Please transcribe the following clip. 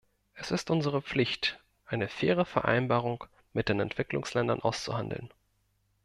Es ist unsere Pflicht, eine faire Vereinbarung mit den Entwicklungsländern auszuhandeln.